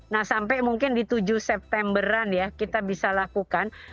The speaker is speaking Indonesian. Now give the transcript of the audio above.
nah sampai mungkin di tujuh septemberan ya kita bisa lakukan